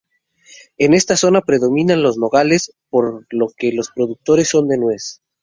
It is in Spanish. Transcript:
En esta zona predominan los nogales, por lo que son productores de nuez.